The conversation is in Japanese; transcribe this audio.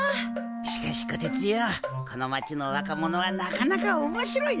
しかしこてつよこの町の若者はなかなかおもしろいな！